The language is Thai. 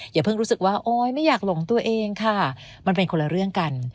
อย่าเพิ่งรู้สึกว่าโอ๊ยไม่อยากหลงตัวเองค่ะมันเป็นคนละเรื่องกัน